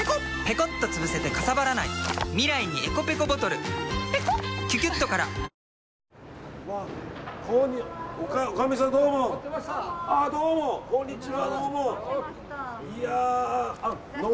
こんにちは。